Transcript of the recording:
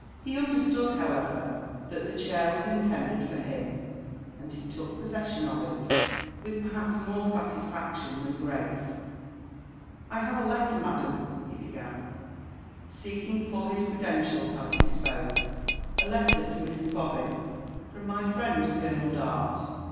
He understood, however, that the chair was intended for him, and he took possession of il with perhaps more salisfaclion than grace. " I have a letter, madam," he began, seeking for his credentials as ho spoke, — "a letter to Mr. Bobbin from my friend Colonel Dart.